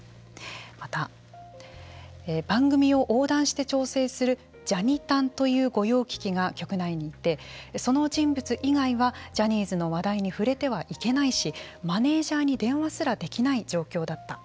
また、番組を横断して調整するジャニ担という御用聞きが局内にいてその人物以外はジャニーズの話題に触れてはいけないしマネージャーに電話すらできない状況だった。